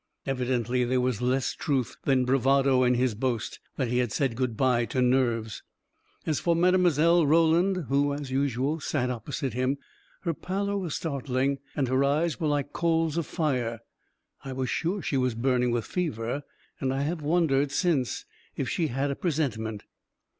Evidently there was less truth than bravado in his boast that he had said good by to nerves! And for Mile. Roland, who, as usual, sat opposite him, her pallor was start ling, and her eyes were like coals of fire. I was sure she was burning with fever; and I have wondered since if she had a presentiment